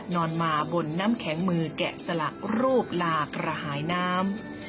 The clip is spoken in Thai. นอนมาบนน้ำแข็งมือแกะสลักรูปลากระหายน้ำ